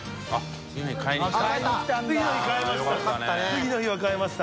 次の日は買えました。